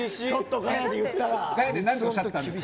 ガヤで何とおっしゃったんですか？